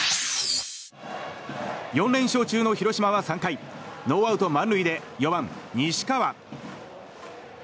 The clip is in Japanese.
４連勝中の広島は３回ノーアウト満塁で４番、西川。